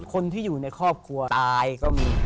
คนที่อยู่ในครอบครัวตายก็มี